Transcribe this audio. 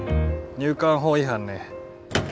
入管法違反ね。